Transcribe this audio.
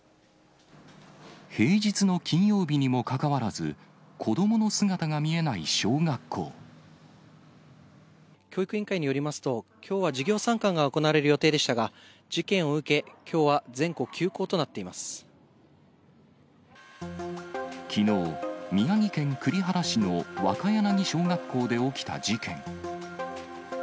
平日の金曜日にもかかわらず、教育委員会によりますと、きょうは授業参観が行われる予定でしたが、事件を受け、きょうはきのう、宮城県栗原市の若柳小学校で起きた事件。